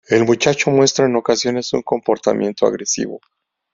El muchacho muestra en ocasiones un comportamiento agresivo.